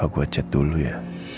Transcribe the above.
apa gue chat dulu ya